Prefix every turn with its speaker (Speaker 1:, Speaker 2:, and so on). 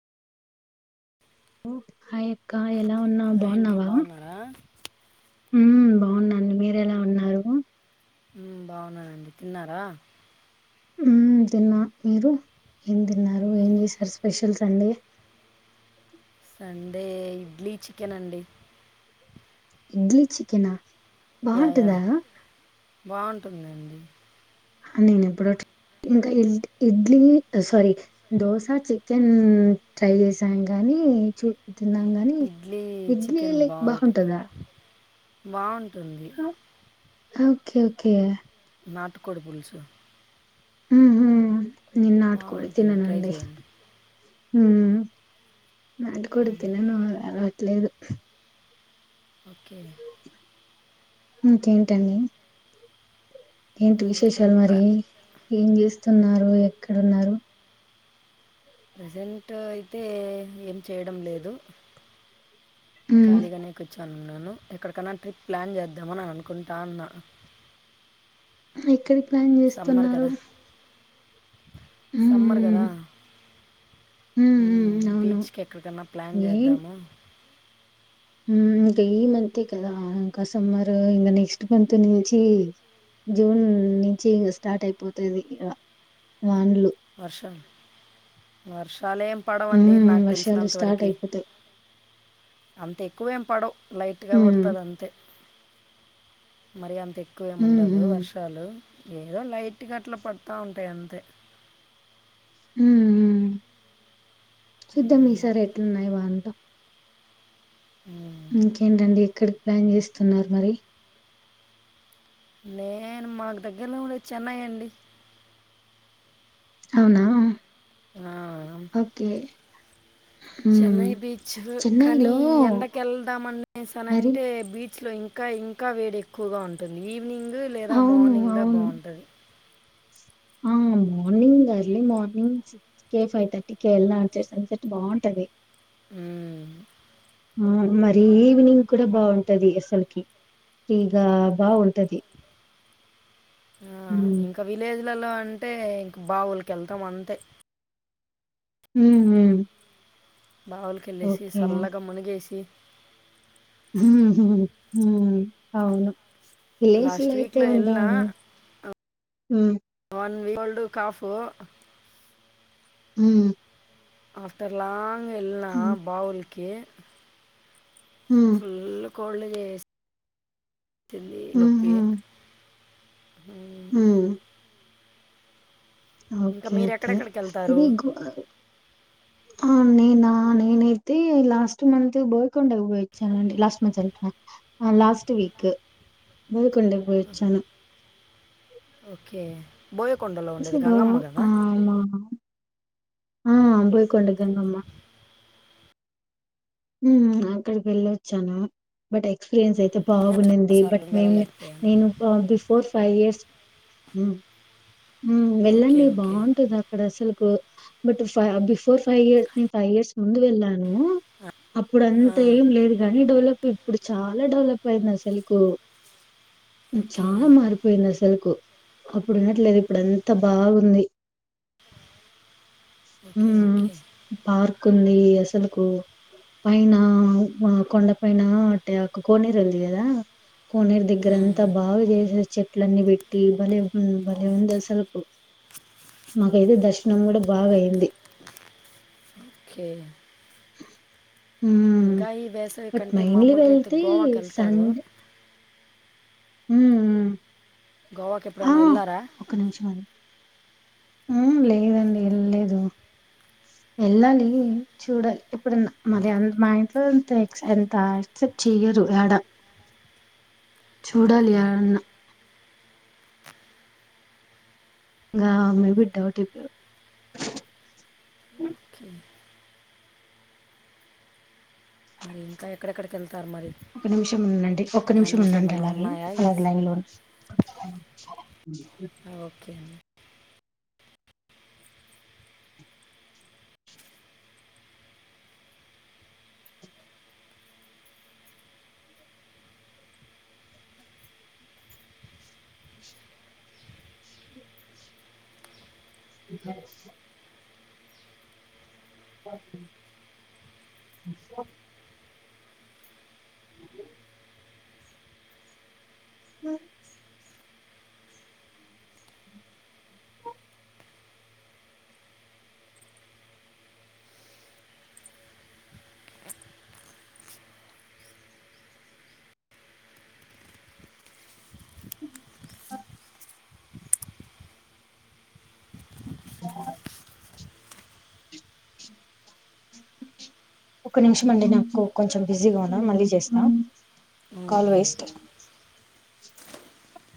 Speaker 1: హై్యక్క ఎలా ఉన్నా
Speaker 2: హాయ్ అండి
Speaker 1: బాగున్నావా
Speaker 2: బాగున్నారా
Speaker 1: ఉ బాగుందండి మీర ఎలా ఉన్నారు
Speaker 2: బాగున్నానండి తిన్నారా
Speaker 1: ఆ తన్న మీరు ఏం తిన్నారు ఏం చేశారు special Sunday
Speaker 2: Sunday idli chicken అండి
Speaker 1: ఇడ్లీ చికెనా
Speaker 2: యా
Speaker 1: బాగుంటదా
Speaker 2: బాగుంటా ఉంటుందండి
Speaker 1: నేను ఎప్పుడో ఇంకా ఇ idli sorry dosa chicken try చేసాను గానీ చి తిన్నాం గాని
Speaker 2: ఇడ్లీ
Speaker 1: ఇడ్లీ లేకి బాగుంటదా
Speaker 2: బావున్ టుంది
Speaker 1: ఓకే ఓకే
Speaker 2: నాటుకోడి పులుసు
Speaker 1: హుమ్ హు హు నేన్ నాటుకోడి
Speaker 2: బాగుంటుంది ట్రై
Speaker 1: తిననండి
Speaker 2: చేయండి
Speaker 1: హుమ్ నాటుకోడి తినను అదో లేదు
Speaker 2: ఓకే
Speaker 1: ఇకేంటండి ఏంటి
Speaker 2: ఇంకా
Speaker 1: విశేషాల్
Speaker 2: ట్రా
Speaker 1: మరీ ఉన్నారు ఎక్కడున్నారు
Speaker 2: ప్రజెంటు అయితే ఏం చేయడం లేదు
Speaker 1: ఉమ్
Speaker 2: కలిగానే కుచ్చు అన్నాను ఎక్కడికన్నా ట్రిప్ ప్లాన్ చేద్దామని అనుకుంటా ఉన్నా
Speaker 1: ఎక్కడిక్ ప్లాన్
Speaker 2: సమ్మర్
Speaker 1: చేస్తున్నారు
Speaker 2: కదా సమ్మర్
Speaker 1: ఉమ్
Speaker 2: కదా
Speaker 1: ఉమ్ ఉమ్
Speaker 2: హ్మ్మ్
Speaker 1: అవును
Speaker 2: బీచ్కి ఎక్కడికన్నా ప్లాన్ చేద్దాము
Speaker 1: హుమ్ ఇంకా ఈ మంతే కదా ఇంకా సమ్మరు ఇంకా నెక్స్ట్ మంత్ నుంచి జూన్ నుంచి ఇక స్టార్ట్ అయిపోతది ఇంకా వాన్లు
Speaker 2: వర్షాలు వర్షాలేం పడవండి
Speaker 1: ఉమ్
Speaker 2: నాకు
Speaker 1: వర్షాలు
Speaker 2: తెలిసినంత
Speaker 1: స్టార్ట్
Speaker 2: వరకి
Speaker 1: అయిపోతాయి
Speaker 2: అంతే వేం పడవ్ లైట్గా
Speaker 1: ఉమ్
Speaker 2: పడుతది అంతే మరీ అంత ఎ ఎక్కువేమి
Speaker 1: ఉమ్ ఉమ్
Speaker 2: ఉండదు
Speaker 1: ఉమ్
Speaker 2: వర్షాలు ఏదో లైట్ గా అట్ల పడతా ఉంటాయ్ అంతే
Speaker 1: హుమ్ హు సుద్ధం ఈసారి ఎట్లున్నాయ్ వాన్ కు
Speaker 2: ఉమ్.
Speaker 1: ఇంకేంటండి ఎక్కడి ప్లాన్ చేస్తున్నారు మరి
Speaker 2: నేను మాక్ దగ్గర్లో ఉండే చెన్నై అండి
Speaker 1: అవునా
Speaker 2: ఆ
Speaker 1: ఓకే ఉమ్
Speaker 2: చెన్నై బీచ్ కానీ
Speaker 1: చెన్నైలో
Speaker 2: ఎండక
Speaker 1: మరి
Speaker 2: వెళ్దాంనేసానంటే బీచ్ ఇస్లో ఇంకా ఇంకా వేడి ఎక్కువగ ఉంటుంది ఈవనింగ్ లేదా
Speaker 1: అవును.
Speaker 2: మార్నింగ్ దా
Speaker 1: అవును.
Speaker 2: బాగుంటుంది
Speaker 1: ఆ మార్నింగ్ అర్లీ మార్నింగ్ సిక్స్ కే ఫైవ్ థర్టీ క వెళ్దాచే సన్సెట్ బాగుంటది
Speaker 2: హమ్
Speaker 1: ఆ మరీ ఈవినింగ్ కూడా బాగుంటది అసలకి ఫ్రీగా బాగుంటది
Speaker 2: ఆ ఇంకా విలేజ్ ఇళ్లలో అంటే ఇంక బావులకి వెళ్తాం అంతే
Speaker 1: ఊహు
Speaker 2: బావులకిళ్ళేసి సల్లగా మునిగేసి
Speaker 1: ఉహు హు అవును ఏసీలు
Speaker 2: లాస్ట్
Speaker 1: అయితే
Speaker 2: వీక్లో వెళ్ళిన
Speaker 1: ఉంటాయి
Speaker 2: వన్ కోల్డ్ కాఫ్
Speaker 1: హు
Speaker 2: ఆఫటర్ లాంగ్ వెళ్ళినా బావుంది. కే
Speaker 1: హ్మ్.
Speaker 2: ఫుల్లు కోడ్లే చే కెల్లి నొప్పి ఉమ్,
Speaker 1: హ
Speaker 2: ఇంకా
Speaker 1: ఓకే
Speaker 2: మీరు
Speaker 1: ఓకే
Speaker 2: ఎక్కడెక్కడికి వెళ్తారు
Speaker 1: ఇది నేనా నేనైతే లాస్ట్ మంత్ గోల్కొండ కు పోయి వచ్చానండి లాస్ట్ మంత్ అంటున్నా లాస్ట్ వీక్ గోల్కొండ పోయి వచ్చాను
Speaker 2: ఓకే బోయకొండలో ఉండేది
Speaker 1: ఆ
Speaker 2: గంగమ్మ కదా
Speaker 1: ఆ ఆ ఆ పోయికొంట గంగమ్మా హ్మ్ అక్కడికి వెళ్ళి వచ్చాను బట్ ఎక్స్పీరియన్స్ అయితే
Speaker 2: నేను
Speaker 1: బాగుండింది
Speaker 2: చాలాసార్లు వెళ్ళలేకపోయాను
Speaker 1: నేను బిఫోర్ ఫైవ్ ఇయర్స్ హ
Speaker 2: ఓకే
Speaker 1: వెళ్ళండి
Speaker 2: ఓకే
Speaker 1: బాగుంటది అక్కడ అసలు బట్ ఫై బిఫోర్ ఫైవ్ ఇయర్స్ నేను ఫైవ్ ఇయర్స్ ముందు వెళ్ళాను అప్పుడు
Speaker 2: ఆ,
Speaker 1: అంతా ఏం లేదు కాని డెవలప్ అయి ఇప్పుడు చాలా డెవలప్ అయింది అసలుకు
Speaker 2: ఓకే
Speaker 1: చాలా మరిపోయిందసలు అప్పుడు ఉండట్లేదు ఇప్పుడు అంత బాగుంది హు
Speaker 2: ఓకే ఓకే
Speaker 1: పార్క్ కుంది అసలుకు పైన కొండ పైన అంటే అ కోనేరు ఉంది కదా కొనేరు దగ్గర అంతా బాగా చేశారు చే ఇట్లన్నీ పెట్టి కి బలే హ్మ్ బలేఉందస్సలుకు మాకైతే దర్శనం కూడా బాగా అయింది
Speaker 2: ఓకే
Speaker 1: హ్మ్.
Speaker 2: ఇంకా ఈ వేసవి
Speaker 1: బట్
Speaker 2: కంటే
Speaker 1: మెయిన్లీ
Speaker 2: మామూలుగా అయితే
Speaker 1: వెళ్తే
Speaker 2: గోవాకి వెళ్తరు
Speaker 1: హమ్ హమ్
Speaker 2: గోవాకి ఎప్పుడైనా ఎలార
Speaker 1: హమ్ లేదండి వెళ్ళలేదు వెళ్ళాలి చూడాలి ఎప్పుడన్న మరి అ మా ఇంట్లోంత ఎ ఎంత ఎక్సెప్ట్ చెయ్యరు ఆడ చూడాలి
Speaker 2: ఓకే
Speaker 1: అదన్న గవమె డౌట్ ఇప్పుడు
Speaker 2: ఓకే ఇంకా ఎక్కడెక్కడిక్
Speaker 1: ఒక నిమిషం ఉందండి ఒక నిమిషం
Speaker 2: ప్లానింగ్స్
Speaker 1: ఉందండి
Speaker 2: ఏమన్నా
Speaker 1: అలాగే
Speaker 2: ఉన్నాయా
Speaker 1: అలాగే
Speaker 2: ఎస్
Speaker 1: లైన్ లో
Speaker 2: ఒకే అన్
Speaker 1: క స ఆ ఆ ఒక నిమిషం అండి నాకు కొంచెం బిజీగా ఉన్నాం మళ్ళీ చేస్తాం
Speaker 2: నవుకిన్